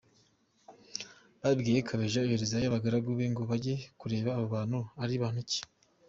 Babibwiye Kabeja yoherezayo abagaragu be ngo bajye kureba abo bantu ari bantu ki.